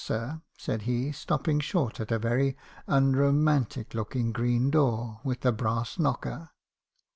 sir,' said he, stopping short at a very unrom antic loo king green door, with a brass knocker.